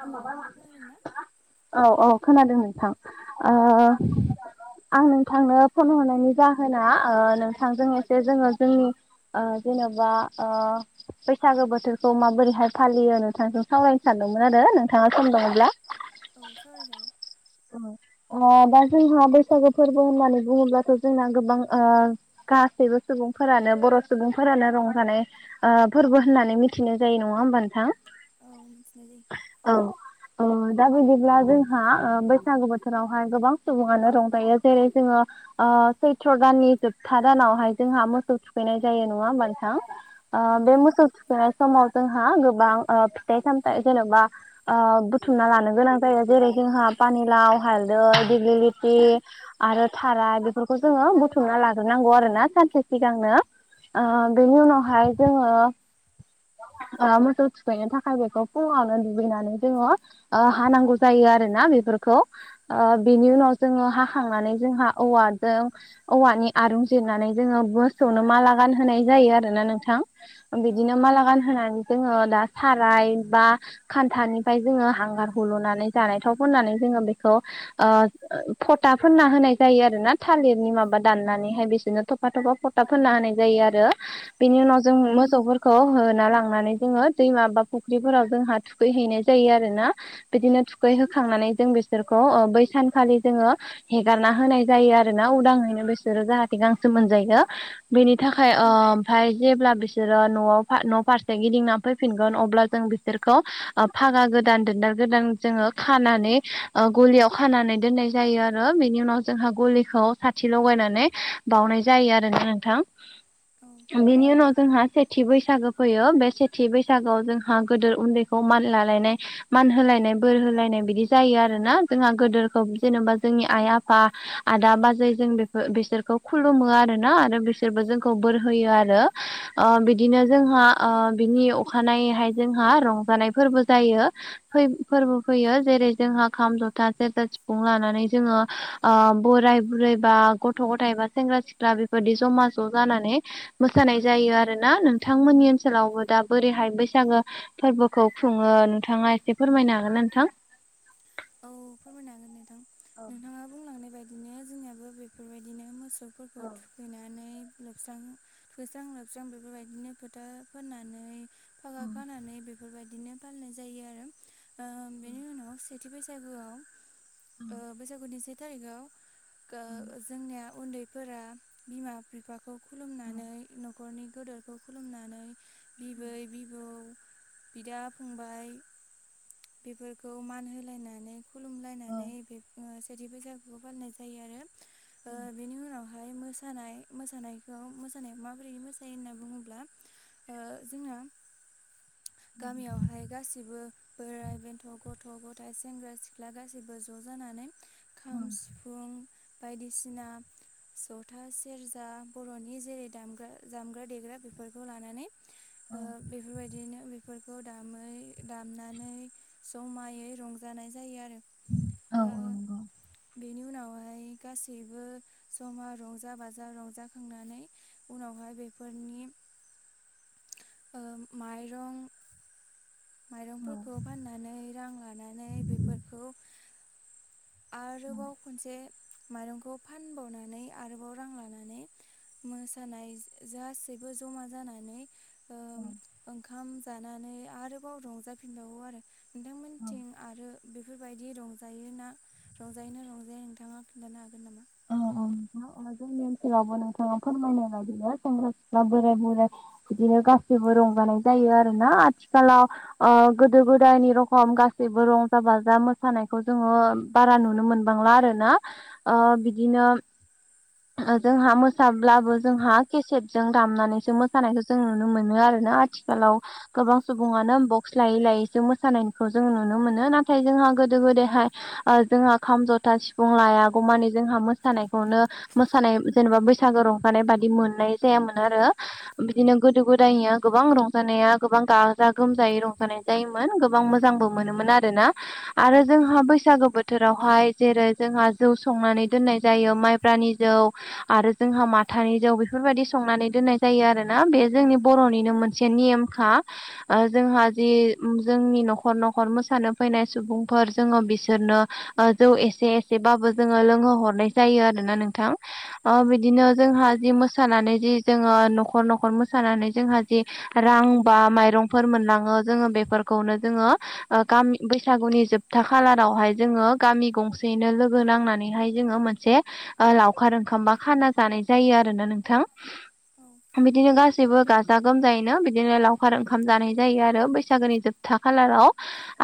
अ नोंथां खोनादों ना। औ औ खोनादों नोंथां ओ। आं नोंथांनो फन हरनायनि जाहोना ओ नोंथांजों एसे जोङो जोंनि। ओ जेनबा ओ बैसागो बोथोरखौ माबोरैहाय फालियो नोंथांजों सावराय। सानदोंमोन आरो नोंथाङा औ सम मोनोब्ला औ सावरायजागोन अ दा जोंहा बैसागु फोर्बो होननानै बुङोब्लाथ' जोंना गोबां ओ गासैबो सुबुंफोरानो बर' सुबुंफोरानो रंजानाय ओ फोर्बो होननानै मिथिनाय जायो नङा होमबा नोंथां औ मिथिनाय जायो औ ओ दा बायदिब्ला जोंहा ओ बै सागु बोथोरावहाय गोबां सुबुङानो रंजायो जेरै जोङो ओ सैथ्र दाननि जोबथा दानावहाय जोंहा मोसौ थुखैनाय जायो नङा होमबा नोंथां? ओ औ बे मोसौ थुखैनाय समाव जोंहा गोबां ओ फिथाइ सामथाइ जेन'बा ओ बुथुमना लानो गोनां जायो जेरै जोंहा पानिलाव हालदै दिग्लिलिथि आरो थाराय बेफोरखौ जोङो बुथुमना लाग्रोनांगौ आरोना सानसे सिगांनो ओ बेनि उनावहाय जोंङो ओ मोसौ थुखैनो थाखाय बेखौ फुङावनो दुगैनानै जोङो ओ हानांगौ जायो आरोना बेफ फोरखौ ओ बिनि उनाव जोङो हाखांनानै जोंहा औवाजों औवानि आरुं जिरनानै जोङो मोसौनो माला गानहोनाय जायो आरोना नोंथां औ बिदिनो माला गानहोनानै जोङो दा साराय बा खान्थानिफ्राय जोङो हांगार हुलु नानै जानाय थाव फोननानै जोङो बेखौ ओ फथा फुना होनाय जायो आरोना थालिरनि माबा दाननानैहाय बिसोरनो थफ फा थफा फथा फोनना हानाय जायो आरो बेनि उनाव उम जों मोसौफोर खौ होना लांनानै जोङो दैमा बा फुख्रिफोराव जोंहा थुखैहैनाय जायो आरो ना बिदिनो थुखैहोखांनानै जों बिसोरखौ ओ बै सानखालि जोङो हेगारना होनाय जायो आरो ना उदांङैनो बिसोरो जाहाथे गांसो मोनजायो बिनि उम थाखाय ओ ओमफाय जेब्ला बिसोरो नआव फा नफारसे गिदिंना फैफिनगोन अब्ला जों बिसोरखौ ओ फागा गोदान दोनदार गोदान जोङो खानानै ओ गलियाव खानानै दोननाय जायो आरो बेनि उनाव जोंहा गलिखौ साथि ल'गायनानै बावउनाय जायो आरोना नोंथां औ बिनि उनाव जोंहा सेथि बैसागो फैयो बे सेथि बैसागोआव जोंहा गोदोर उन्दैखौ मान लालायनाय मान होलायनाय बोर होलायनाय बिदि जायो आरोना जोंहा गोदोरखौ जेनबा जोंनि आइ आफा आदा बाजै जों बे बिसोरखौ खुलुमो आरोना आरो बिसोरबो जोंखौ बोर होयो आरो ओ बिदिनो जोंहा ओ बिनि अखानायैहाय जोंहा रंजानाय फोर्बो जायो फै फोर्बो फैयो जेरै जोंहा खाम जथा सेरजा सिफुं लानानै जोङो ओ बोराय बुरै बा गथ गथाय बा सेंग्रा सिख्ला बेबायदि जमा ज' जानानै मोसानाय जायो आरोना नोंथांमोननि ओनसोलावबो दा बोरैहाय बैसागो फोर्बोखौ खुङो नोंथाङा एसे फोरमायनो हागोन नोंथां? औ फोरमायनो हागोन नोंथां नोंथाङा बुंलांनाय बायदिनो जोंनियाबो बेफोरबायदिनो मोस सौफोरखौ थुखैनानै लोबस्रां फोस्रां लोबस्रां बेफोरबायदिनो फोथा फोननानै फागा खानानै बेफोरबायदिनो फालिनाय जायो आरो ओ बेनि उनाव से थि बैसागुआव ओ बैसागुनि से थारिखआव ओ जोंनिया उन्दैफोरा बिमा बिफाखौ खुलुमनानै न'खरनि गोदोरखौ खुलुमनानै बिबै बिबौ बिदा फंबाय बेफोरखौ मान होलायनानै खुलुमलायनानै बे ओ जेरैबो बैसागुखौ फालिनाय ओ बेनि उनाव हाय मोसानाय मोसानायखौ मोसानाय माबोरै मोसायो होनना बुङोब्ला ओ जोंना गामियावहाय गासिबो बोराइ बेन्थ' गथ' गथ थाइ सेंग्रा सिख्ला गासैबो ज' जानानै खाम सि फुं बायदिसिना जथा सेरजा बर'नि जेरै दामग्रा दामग्रा देग्रा बेफोरखौ लानानै ओ बेफोरबायदिनो बेफोरखौ दामै दामनानै जमायै रंजानाय जायो आरो औ ओ नंगौ बेनि उनावहाय गासैबो जमा रंजा बाजा रंजाखांनानै उनावहाय बेफोरनि ओ माइरं औ माइरंफोरखौ फाननानै रां लानानै बेफोरखौ आरोबाव खनसे माइरंखौ फानबावनानै आरोबाव रां लानानै मोसानाय जासैबो जमा जानानै ओ ओंखाम जानानै आरोबाव रंजाफिनबावो आरो। नोंथांमोनथिं आरो बेफोरबायदि रंजायोना? रंजायैनो रंजायो नोंथाङा खिन्थानो हागोन नामा? औ औ नोंथां जोंनि ओनसोलावबो नोंथाङा फोरमायनाय बायदिनो सेंग्रा सिख्ला बोराय बुराय बिदिनो गासैबो रंजानाय जायो आरो ना आथिखालाव ओ गोदो गोदायनि रखम गासैबो रंजा बाजा मोसानायखौ जोङो बारा नुनो मोनबांला आरो ना ओ बिदिनो जोंहा मोसाब्लाबो जोंहा केसेटजों दामनानैसो मोसानायखौ जों नुनो मोनो आरोना आथि खालाव गोबां सुबुङानो बक्स लायै लायैसो जों मोसानायखौ जों नुनो मोनो नाथाय जोंहा गोदायहाय जोंहा खाम जथा सिफुं लायागौ मानि जोंहा मोसानायखौनो मोसानाय जेनेबा बैसागो रंजानाय बादि मोननाय जायामोन आरो। बिदिनो गोदो गोदायनिया गोबां रंजानाया गोबां गाजा गोमजायै रंजानाय जायोमोन गोबां मोजांबो मोनोमोन आरो ना। आरो जोंहा बैसागो बोथोरावहाय जेरै जोंहा जौ संनानै दोननाय जायो माइब्रानि जौ आरो जोंहा माथानि जौ बेफोरबायदि संनानै दोननाय जायो आरोना बे जोंनि बर'निनो मोनसे नेम खा ओ जोंहा जि जोंनि न'खर न'खर मोसानो फैनाय सुबुंफोर जोङो बिसोरनो जौ एसे एसेबाबो जोङो लोंहो हरनाय जायो आरोना नोंथां। ओ बिदिनो जोंहा जि मोसानानै जि जोङो न'खर न'खर मोसानानै जोंहा जि रां बा माइरंफोर मोनलाङो जोङो बेफोरखौनो जोङो ओ गामि बैसागुनि जोबथा खालारावहाय जोङो गामि गंसेैयैनो लोगो नांनानैहाय जोङो मोन से लावखार ओंखाम बा खाना जानाय जायो आरोना नोंथां। औ। बिदिनो गासैबो गाजा गोमजायैनो बिदिनो लावखार ओंखाम जानाय जायो आरो बैसागोनि जोबथा खालाराव।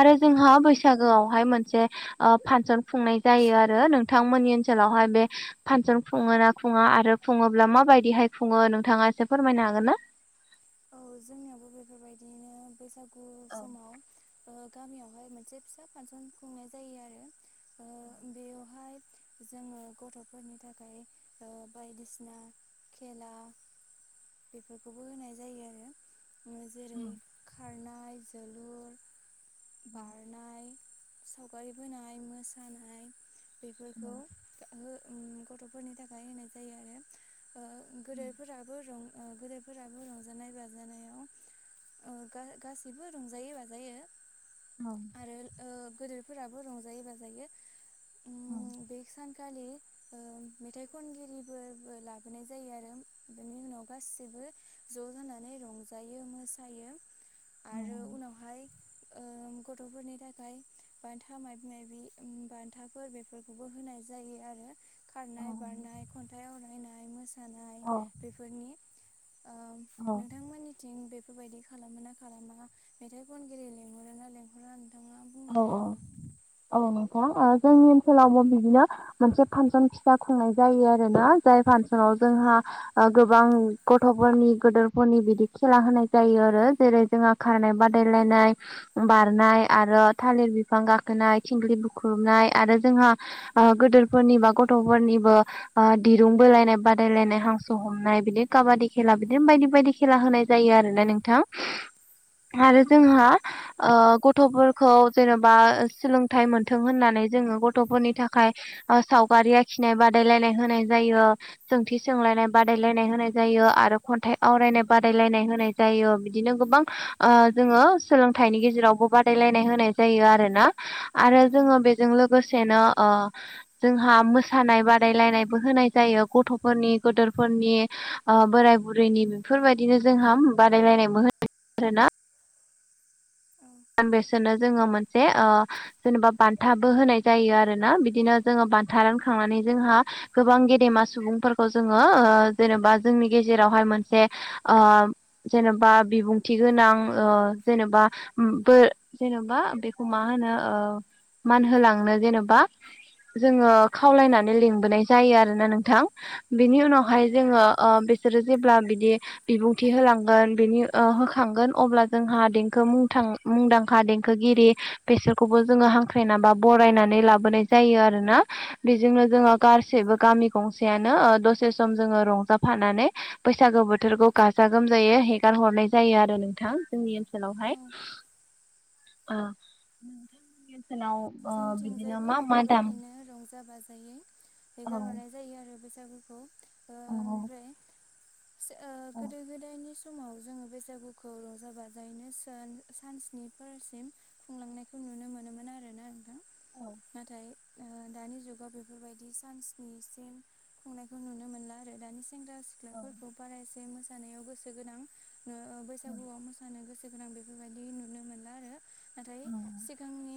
आरो जोंहा बैसागोआवहाय मोनसे ओ फानसन खुंनाय जायो आरो नोंथांमोननि ओनसोलावहाय बे फानसन खुङोना खुङा आरो खुङोब्ला माबायदिहाय खुङो नोंथाङा एसे फोरमायनो हागोन ना? औ जोंनियावबो बेफोरबायदियैनो बैसागु औ समाव ओ गामियावहाय मोनसे फिसा फानसन खुंनाय जायो आरो ओ बेवहाय जोङो गथ'फोरनि थाखाय ओ बायदिसिना खेला बेफोरखौबो होनाय जायो आरो ओ जेरै खो खारनाय जोलुर बारनाय सावगारि बोनाय मोसानाय बेफोरखौ हो उम गथ'फोरनि थाखाय होनाय जायो आरो। ओ गोदोरफोराबो रं ओ गोदोरफोराबो रं जानाय बाजानायाव ओ गा-गासैबो रंजायोै बाजायो औ ओ गोदेरफोराबो रंजायो बाजायो उम बे सानखालि ओ मेथाइ खनगिरिफोरबो लाबोनाय जायो आरो बेनि उनाव गासिबो ज' जानानै रंजायो मोसायो आरो उनावहाय ओम गथ'फोरनि थाखाय बान्था माइबा माइबि उम बान्थाफोर बेफोरखौबो होनाय जायो आरो। औ खारनाय बारनाय खन्थाइ आवरायनाय मोसानाय औ बेफोरनि ओम औ नोंथांमोननि थिं बेफोरबायदि खालामोना खालामा मेथाइ खनगिरि लिंहरोना लेंंहरा नोंथाङा बुंनो औ हागोन नामा? औ औ नोंथां ओ जोंनि ओनसोलावबो बिदिनो मोनसे फानसन फिसा खुंनाय जायो आरो ना जाय फानसनाव जोंहा ओ गोबां गथ'फोरनि गोदोरफोरनि बिदि खेला होनाय जायो आरो जेरै जोंहा खारनाय बादायलायनाय बारनाय आरो थालिर बिफां गाखोनाय थिंख्लि बुख्रुबनाय आरो जोंहा गोदोरफोरनि बा गथ'फोरनिबो दिरुं बोलायनाय बादायलायनाय हांसो हमनाय बिदिनो खाबादि खेला बिदिनो बायदि बायदि खेला होनाय जायो आरोना नोंथां आरो जोंहा ओ गथ'फोर खौ जेन'बा सोलोंथाइ मोनथों होननानै जोङो गथ'फोरनि थाखाय सावगारि आखिनाय बादायलायनाय होनाय जायो। सोंथि सोंलायनाय बादायलायनाय होनाय जायो आरो खन्थाइ आवरायनाय बादायलायनाय होनाय जायो बिदिनो गोबां जोङो सोलोंथाइनि गेजेरावबो बादायलायनाय नाय होनाय जायो आरोना आरो जोङो बेजों लोगोसेनो ओ जोंहा मोसानाय बादायलायनायबो होनाय जायो गथ'फोरनि गोदोरफोरनि ओ बोराय बुरैनि बेफोरबादिनो जोंहा बादायलायनायबो होनाय [unintelligible] आरोना आम बेसोरनो जोङो मोनसे ओ जेनबा बान्थाबो होनाय जायो आरोना बिदिनो जोङो बान्था रानखांनानै जोंहा गोबां गेदेमा सुबुंफोरखौ जोङो ओ जेनेबा जोंनि गेजेरावहाय मोनसे ओ जेनबा बिबुंथि गोनां ओ जेनबा बो जेन'बा बेखौ मा होनो ओ मान होलांनो जेनेबा। जोङो खावलायनानै लिंबोनाय जायो आरोना नोंथां बेनि उनावहाय औ जोङो ओ बे बिसोरो जेब्ला बिदि बिबुंथि होलांगोन बिनि ओ होखांगोन अब्ला जोंहा देंखो मु थां मुंदांखा देंखोगिरि बेसोरखौबो जोङो हांख्रायना बा बरायनानै लाबोनाय जायो आरो ना बेजोंनो जोङो गसेैबो गामि गंसेयानो ओ दसे सम जोङो रंजाफानानै बैसागो बोथोरखौ गाजा गोमजायै हेगार हरनाय जायो आरो नोंथां जोंनि ओनसोलावहाय। ओ [inaudible] ओनसोलाव ओ बिदिनो जोंनिथिंजायबो मा मा दाम बेफोरबायदिनो रंजा बाजायै औ हेगारहरनाय जायो आरो बैसागोखौ ओ औ ओमफ्राय ओ औ गोदो गोदायनि समाव जोङो बैसागुखौ रंजा बाजायैनो सोन सान स्निफोरसिम खुंलांनायखौ नुनो मोनोमोन आरोना नोंथां नाथाय ओ दानि जुगाव बेफोरबायदि सानस्निसिम खुंनायखौ नुनो मोनला आरो दानि सेंग्रा सि ख्लाफोरखौ बारा एसे मोसानायाव गोसो गोनां ओ बैसागुआव मो नो गोसो गोनां बेफोरबायदि नुनो मोनला आरो नाथाय सिगांनि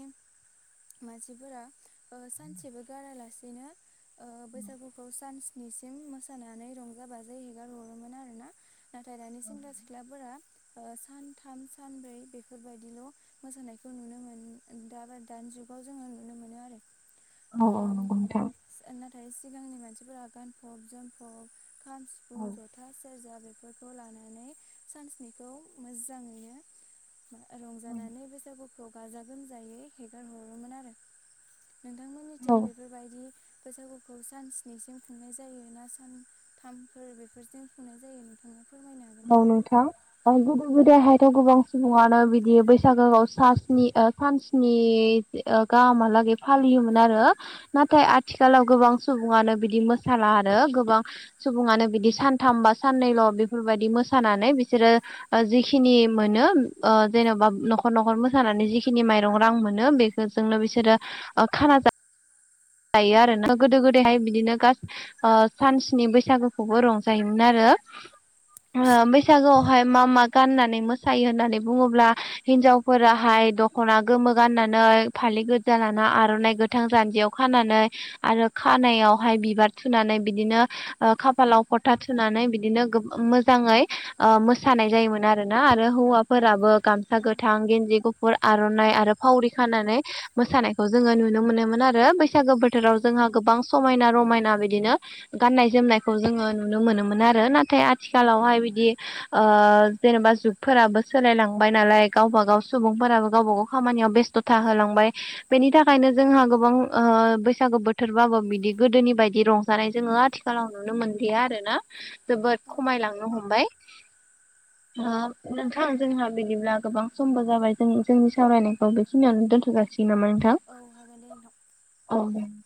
मानसिफोरा ओ सानसेबो गारालासेनो ओ बैसागु खौ सानस्निसिम मोसानानै रंजा बाजायै हेगार हरोमोन आरोना नाथाय दानि सेंग्रा सिख्लाफोरा ओ सानथाम सानब्रै बेफोरबायदिल' मोसानायखौ नुनो मोन दा बा दानि जुग खौ जोङो नुनो मोनो आरो औ नंगौ नोंथां। ओ नाथाय सिगांनि मानसिफोरा गानफब जोमफब खाम सिफुं औ ज था सेरजा बेफोरखौ लानानै सानस्निखौ मोजाङैनो रंजानानै बैसागुखौ गाजा गोमजायै हेगार हरोमोन आरो नोंथांमोननिथिं बेफोरबायदि बैसागुखौ सानस्निसिम खुंनाय जायो ना सान थामफोर बेफोरजों खुंनाय जायो नोंथाङा? फोरमायनो हागोन औ नामा? नोंथां। ओ गोदो गोदायहायथ' गोबां सुबुङानो बिदि बैसागोआव सास्नि ओ सानस्नि ओ गाहामहालागै फालियोमोन आरो नाथाय आथिखालाव गोबां सुबुङानो बिदि मोसाला आरो गोबां सुबुङानो बिदि सानथाम बा साननैल' बेफोरबायदि मोसानानै बिसोरो ओ जिखिनि मोनो ओ जेन'बा न'खर न'खर मोसानानै जिखिनि माइरं रां मोनो बे जोंनो बिसोरो ओ खाना जा जायो आरो ना गोदो गोदायहाय बिदिनो गास ओ सानस्नि बैसागुखौबो रंजायोमोन आरो ओ बैसागोआवहाय मा मा गाननानै मोसायो होननानै बुङोब्ला हिनजावफोराहाय दख'ना गोमो गाननानै फालि गोजा लाना आर'नाइ गोथां जान्जियाव खानानै आरो खानायावहाय बिबार थुनानै बिदिनो ओ खाफालाव फोथा थुनानै बिदिनो मोजाङै ओ मोसानाय जायोमोन आरोना आरो हौवा फोराबो गामसा औ गोथां गेन्जि गुफ आर'नाइ आरो फावरि खानानै मोसानायखौ जोङो नुनो मोनोमोन आरो बै बैसागो बोथोराव जोंहा गोबां समायना रमायना बिदिनो गाननाय जोमनायखौ जोङो नुनो मोनोमोन आरो नाथाय आथिखालावहाय बिदि ओ जेनेबा जुगफोराबो सोलायलांबाय नालाय गावबा गाव सुबुंफोराबो गावबा गाव खामानियाव बेस्ट था होलांबाय बेनि थाखायनो जोंहा गोबां ओ बैसागु बोथोरबाबो बिदि गोदोनि बायदि रंजानाय जोङो आथिखालाव नुनो मोनलिया आरो ना जोबोद औ खमायलांनो हमबाय। ओ नोंथां जोंहा बिदिब्ला गोबां समबो जाबाय जों जोंनि सावरायनायखौ बेखिनियावनो दोनथ'जा [unintelligible] नोंथां औ हागोन दे नोंथां औ